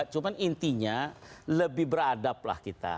cuma intinya lebih beradaplah kita